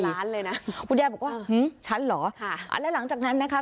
ล้านเลยนะคุณยายบอกว่าฉันเหรอค่ะอ่าแล้วหลังจากนั้นนะคะ